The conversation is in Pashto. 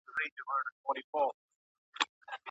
ارواپوهنه د انسان د پرمختګ پړاوونه څیړي.